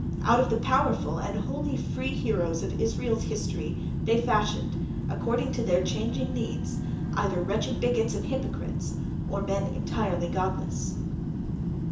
Out of the powerful and wholly free heroes of Israel's history they fashioned, according to their changing needs, either wretched bigots and hypocrites or men entirely "godless."